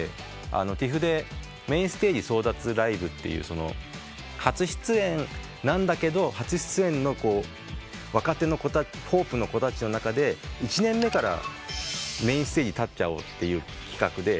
ＴＩＦでメインステージ争奪ＬＩＶＥって初出演なんだけど初出演の若手のホープの子たちの中で１年目からメインステージ立っちゃおうという企画で。